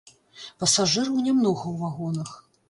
Пасажыраў нямнога ў вагонах.